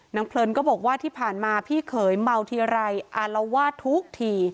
เพลินก็บอกว่าที่ผ่านมาพี่เขยเมาทีไรอารวาสทุกที